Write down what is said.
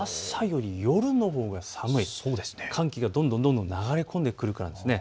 朝より夜のほうが寒い、寒気がどんどん流れ込んでくるからです。